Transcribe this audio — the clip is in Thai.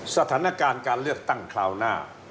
สถานการณ์การเลือกตั้งคราวหน้า